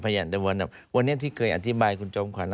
พยานแต่วันนี้ที่เคยอธิบายคุณจมขวาน